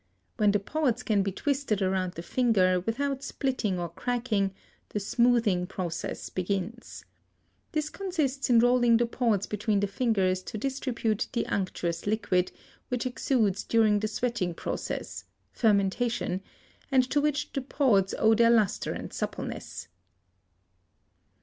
When the pods can be twisted around the finger without splitting or cracking the "smoothing process" begins. This consists in rolling the pods between the fingers to distribute the unctuous liquid, which exudes during the sweating process (fermentation), and to which the pods owe their lustre and suppleness.